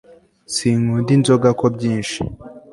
sinkunda inzoga ko byinshi